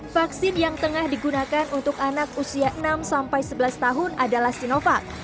vaksin yang tengah digunakan untuk anak usia enam sampai sebelas tahun adalah sinovac